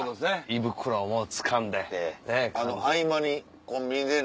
胃袋をもうつかんで。